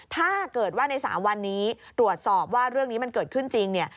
ถ้าเกิดว่าใน๓วันนี้ตรวจสอบว่าเรื่องนี้มันเกิดขึ้นจริงเนี่ย